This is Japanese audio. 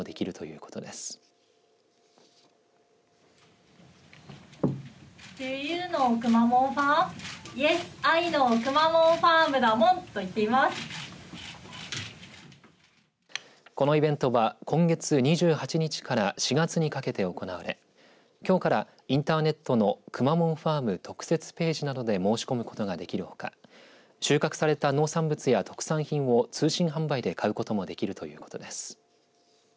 このイベントは今月２８日から４月にかけて行われきょうからインターネットのくまモンファーム特設ページなどで申し込むことができるほか収穫された農産物や特産品を通信販売で買うこともできるということです。